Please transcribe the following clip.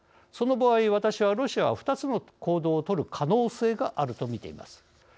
その場合私はロシアは２つの行動を取る可能性があるとみています。